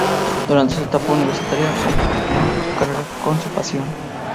Durante su etapa universitaria compaginó su carrera con su pasión.